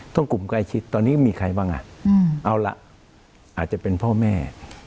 กลุ่มใกล้ชิดตอนนี้มีใครบ้างอ่ะเอาล่ะอาจจะเป็นพ่อแม่